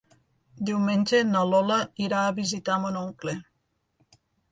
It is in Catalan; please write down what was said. Diumenge na Lola irà a visitar mon oncle.